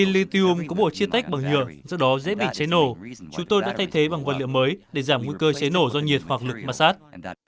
pltium có bộ chia tách bằng nhựa do đó dễ bị cháy nổ chúng tôi đã thay thế bằng vật liệu mới để giảm nguy cơ cháy nổ do nhiệt hoặc lực massage